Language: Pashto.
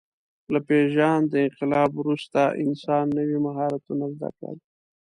له پېژاند انقلاب وروسته انسان نوي مهارتونه زده کړل.